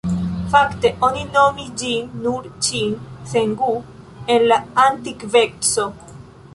Fakte oni nomis ĝin nur ĉin sen gu en la antikveco.